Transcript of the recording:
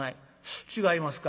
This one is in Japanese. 「違いますか。